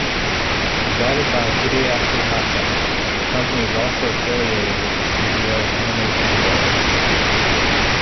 Presided by Hideaki Hatta, the company is also affiliated with the studio Animation Do.